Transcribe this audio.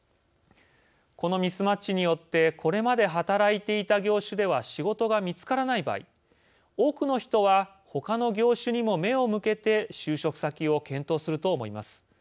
このミスマッチによってこれまで働いていた業種では仕事が見つからない場合多くの人はほかの業種にも目を向けて就職先を検討すると思います。